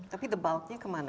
tapi the bulknya kemana